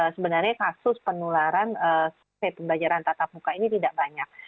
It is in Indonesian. sebenarnya kasus penularan pembelajaran tatap muka ini tidak banyak